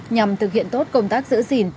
nhằm thực hiện tốt công tác giữ gìn